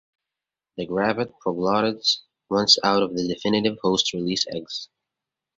The gravid proglottids once out of the definitive host release eggs.